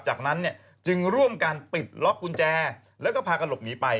จากนั้นเนี่ยจึงร่วมกันปิดล็อกกุญแจแล้วก็พากันหลบหนีไป